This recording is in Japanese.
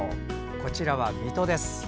こちらは水戸です。